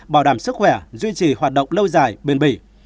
bảo đảm sức khỏe duy trì hoạt động lâu dài bền bỉ